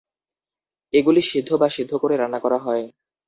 এগুলি সিদ্ধ বা সিদ্ধ করে রান্না করা হয়।